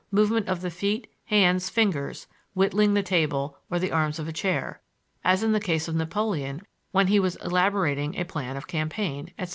movement of the feet, hands, fingers; whittling the table or the arms of a chair (as in the case of Napoleon when he was elaborating a plan of campaign), etc.